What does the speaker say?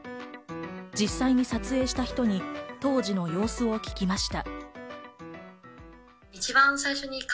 実際に撮影した人に当時の様子を聞きました。